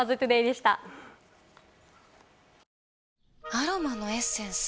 アロマのエッセンス？